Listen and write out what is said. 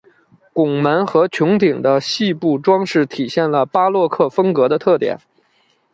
拱门和穹顶的细部装饰体现了巴洛克风格的特点。